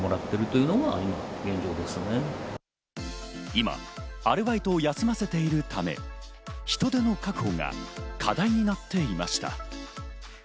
今、アルバイトを休ませているため、人手の確保が課題になっていました。